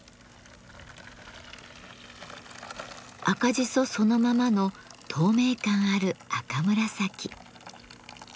赤じそそのままの透明感ある赤紫。